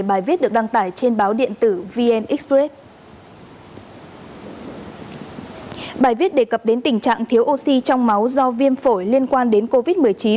bài viết đề cập đến tình trạng thiếu oxy trong máu do viêm phổi liên quan đến covid một mươi chín